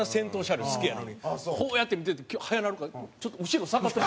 こうやって見てて速なるからちょっと後ろ下がって。